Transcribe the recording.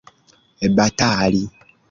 batali